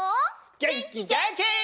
げんきげんき！